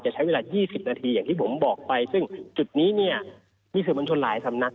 จะใช้เวลา๒๐นาทีอย่างที่บอกจุดนี้นี่นี่ซื้อบรรชนหลายสำนัก